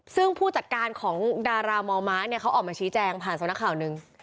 ซึ่งผู้จัดการของดารามอม้าเนี่ยเขาออกมาชี้แจงผ่านสำนักข่าวหนึ่ง